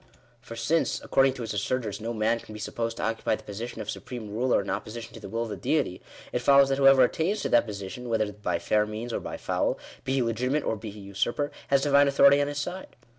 For since, according to its assertors, no man can be supposed to occupy the position of supreme ruler in oppo sition to the will of the Deity, it follows that whoever attains to that position, whether by fair means or by foul, be he legi timate or be he usurper, has Divine authority on his side.